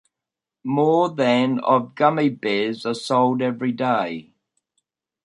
More than of gummy bears are sold every day.